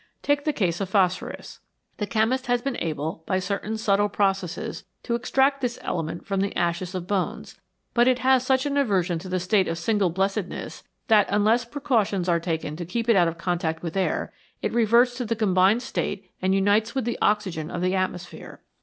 Take the case of phosphorus. The chemist has been able, by certain subtle processes, to extract this element from the ashes of bones, but it has such an aversion to the state of single blessedness, that unless precautions are taken to keep it out of contact with air, it reverts to the combined state and unites with the oxygen of the atmosphere.